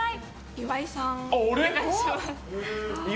岩井さん、お願いします。